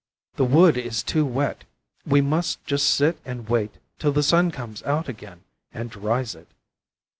'The wood is too wet. We must just sit and wait till the sun comes out again and dries it.